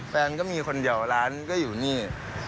แฟนก็มีคนเดียวร้านก็อยู่นี่